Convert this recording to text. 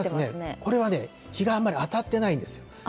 これはね、日があんまり当たってないんですよ。